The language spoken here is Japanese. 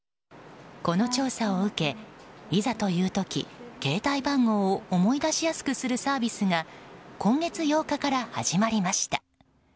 この調査を受け、いざという時携帯番号を思い出しやすくするサービスが今月８日から始まりました。